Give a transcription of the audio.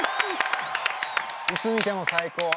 いつ見ても最高。